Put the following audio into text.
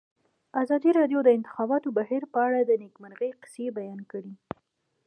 ازادي راډیو د د انتخاباتو بهیر په اړه د نېکمرغۍ کیسې بیان کړې.